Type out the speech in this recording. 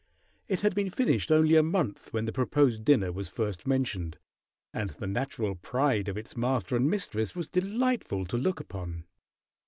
It had been finished only a month when the proposed dinner was first mentioned, and the natural pride of its master and mistress was delightful to look upon.